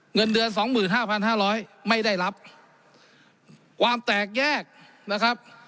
เงินเดือนสองหมื่นห้าพันห้าร้อยไม่ได้รับความแตกแยกนะครับ